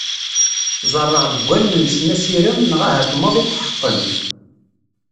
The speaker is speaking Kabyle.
Ẓerreɣ deg wallen-nsen asirem neɣ ahat maḍi tḥeqqen.